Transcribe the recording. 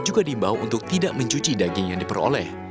juga diimbau untuk tidak mencuci daging yang diperoleh